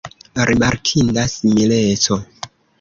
Rimarkinda simileco!